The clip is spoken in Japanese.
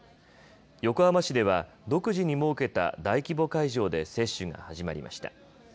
横浜市では独自に設けた大規模会場で接種が始まりました。